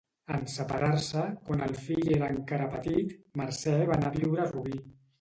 En separar-se, quan el fill era encara petit, Mercè va anar a viure a Rubí.